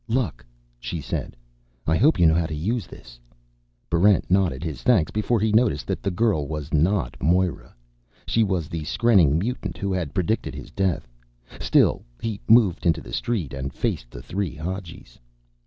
"Luck," she said. "I hope you know how to use this." Barrent nodded his thanks before he noticed that the girl was not Moera; she was the skrenning mutant who had predicted his death. Still, he moved into the street and faced the three Hadjis.